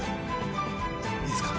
いいですか？